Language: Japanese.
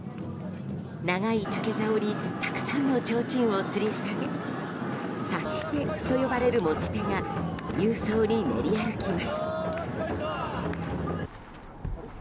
長い竹竿にたくさんのちょうちんをつり下げ差し手と呼ばれる持ち手が勇壮に練り歩きます。